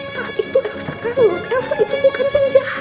saat itu elsa kanur elsa itu bukan yang jahat